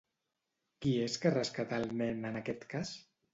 Qui és que rescatà al nen en aquest cas?